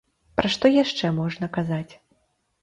Пра што яшчэ можна казаць?